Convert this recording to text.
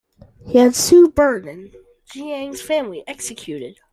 He had Su burned and Jiang's family executed.